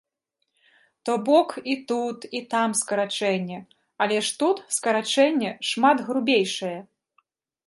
То бок і тут і там скарачэнне, але ж тут скарачэнне шмат грубейшае.